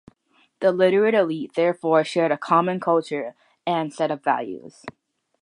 The literate elite therefore shared a common culture and set of values.